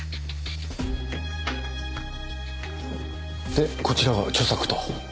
でこちらが著作と。